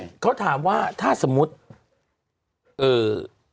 ซึ่งเขาถามว่าถ้าสมมุติ